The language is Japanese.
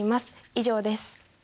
以上です。